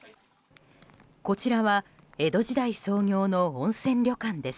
こちらは江戸時代創業の温泉旅館です。